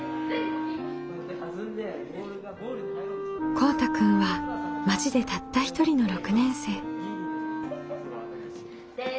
こうたくんは町でたった一人の６年生。